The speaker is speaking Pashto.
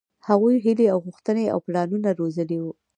هغوۍ هيلې او غوښتنې او پلانونه روزلي وو.